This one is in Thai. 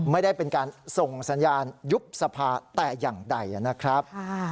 ไม่ได้เป็นการส่งสัญญาณยุบสภาแต่อย่างใดนะครับ